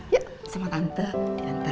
yuk sama tante diantar